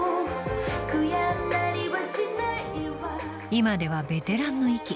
［今ではベテランの域］